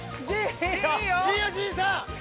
いいよ陣さん。